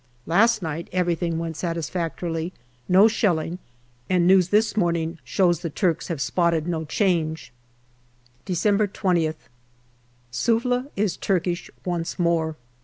Last night everything went satisfactorily no shelling and news this morning shows the Turks have spotted no change. December 20th. Suvla is Turkish once more.